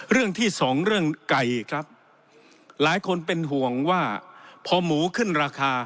เรื่องที่สองเรื่องไก่ครับหลายคนเป็นห่วงว่าพอหมูขึ้นราคา